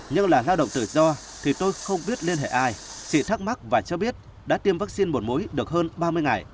nhưng là lao động tự do thì tôi không biết liên hệ ai sĩ thắc mắc và cho biết đã tiêm vaccine bột mũi được hơn ba mươi ngày